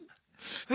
え？